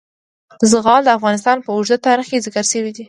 زغال د افغانستان په اوږده تاریخ کې ذکر شوی دی.